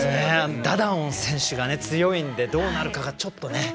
ダダオン選手が強いのでどうなるかがちょっとね